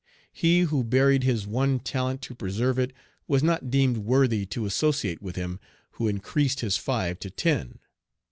He who buried his one talent to preserve it was not deemed worthy to associate with him who increased his five to ten.